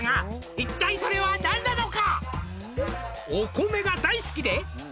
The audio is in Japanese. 「一体それは何なのか？」